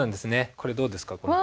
これどうですか？